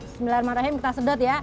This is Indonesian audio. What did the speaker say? bismillahirrahmanirrahim kita sedot ya